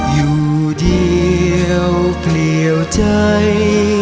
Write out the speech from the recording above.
อยู่เดียวเปลี่ยวใจ